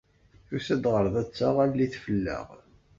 Tusa-d ɣer da d taɣallit fell-aɣ.